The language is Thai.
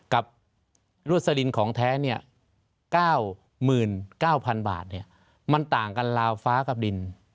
กับรวดสลินของแท้๙๙๐๐บาทมันต่างกันลาวฟ้ากับดิน